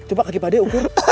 coba kaki pak deh ukur